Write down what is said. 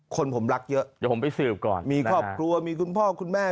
คนผมรักเยอะเดี๋ยวผมไปสืบก่อนมีครอบครัวมีคุณพ่อคุณแม่